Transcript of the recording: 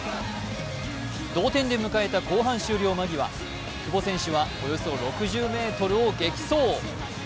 同店で迎えた後半終了間際、久保選手はおよそ６０ｍを激走。